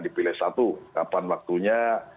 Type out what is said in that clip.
dipilih satu kapan waktunya